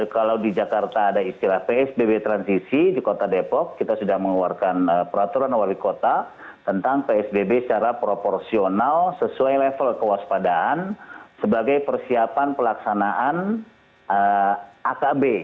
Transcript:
kalau di jakarta ada istilah psbb transisi di kota depok kita sudah mengeluarkan peraturan wali kota tentang psbb secara proporsional sesuai level kewaspadaan sebagai persiapan pelaksanaan akb